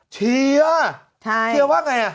เชียวว่าไง